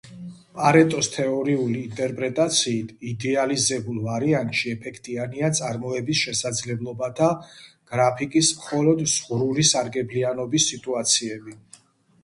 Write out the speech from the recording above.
პარეტოს თეორიული ინტერპრეტაციით, იდეალიზებულ ვარიანტში ეფექტიანია წარმოების შესაძლებლობათა გრაფიკის მხოლოდ ზღვრული სარგებლიანობის სიტუაციები.